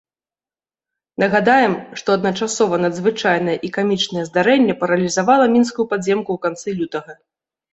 Нагадаем, што адначасова надзвычайнае і камічнае здарэнне паралізавала мінскую падземку у канцы лютага.